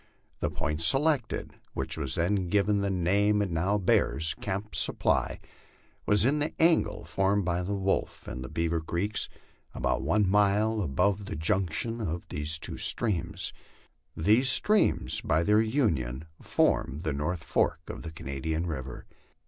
The point selected which was then given the name it now bears, Camp Supply was in the angle formed by Wolf and Beaver creeks, about one mile above the junction of these two streams. These streams by their union form the north fork of the Canadian river.